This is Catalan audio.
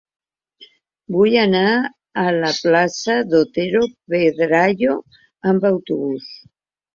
Vull anar a la plaça d'Otero Pedrayo amb autobús.